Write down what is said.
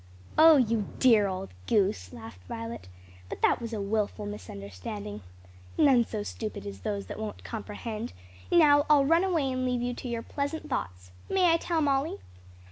"Oh you dear old goose!" laughed Violet; "but that was a wilful misunderstanding. None so stupid as those that won't comprehend. Now I'll run away and leave you to your pleasant thoughts. May I tell Molly?"